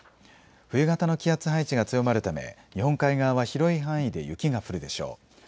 冬型の気圧配置が強まるため日本海側は広い範囲で雪が降るでしょう。